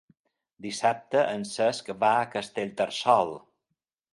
Dissabte en Cesc va a Castellterçol.